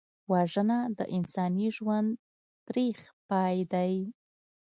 وژنه د انساني ژوند تریخ پای دی